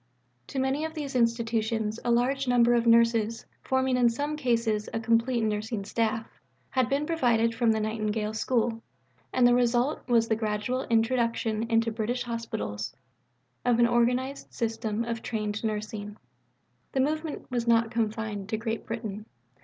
To many of these Institutions a large number of nurses, forming in some cases a complete Nursing staff, had been provided from the Nightingale School, and the result was the gradual introduction into British Hospitals of an organized system of trained nursing. The movement was not confined to Great Britain.